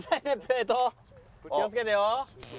気をつけてよ。